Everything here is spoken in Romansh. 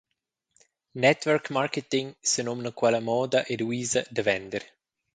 Network Marketing senumna quella moda ed uisa da vender.